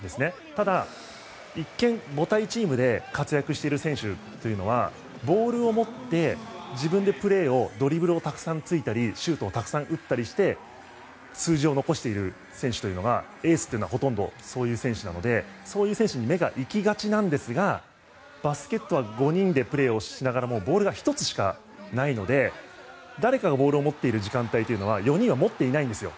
ただ、一見、母体チームで活躍しているチームというのはボールを持って自分でプレーをドリブルをたくさんついたりシュートをたくさん打ったりして数字を残している選手というのはエースというのはほとんどそういう選手なのでそういう選手に目が行きがちなんですがバスケットは５人でプレーをしながらボールが１つしかないので誰かがボールを持っている時間帯というのは４人はボールを持っていないんですよ。